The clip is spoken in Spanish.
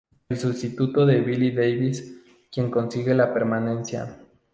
El sustituto es Billy Davies quien consigue la permanencia.